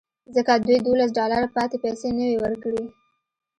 ځکه دوی دولس ډالره پاتې پیسې نه وې ورکړې